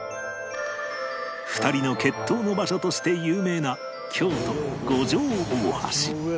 ２人の決闘の場所として有名な京都五条大橋